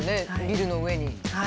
ビルの上に。